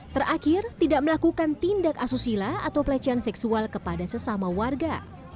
terakhir tidak melakukan tindak asusila atau pelecehan seksual kepada sesama warga